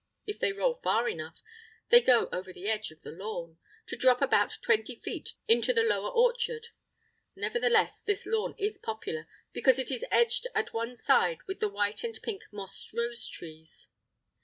If they roll far enough, they go over the edge of the lawn, a drop of about twenty feet, into the lower orchard! Nevertheless, this lawn is popular, because it is edged at one side with white and pink moss rose trees.